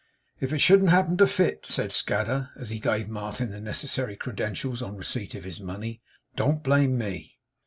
'If it shouldn't happen to fit,' said Scadder, as he gave Martin the necessary credentials on recepit of his money, 'don't blame me.